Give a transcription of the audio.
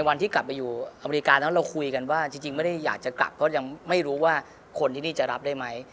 วันที่กลับไปอยู่อเมริกานั้นเราคุยกันว่าจริงไม่ได้อยากจะกลับเพราะยังไม่รู้ว่าคนที่นี่จะรับได้ไหม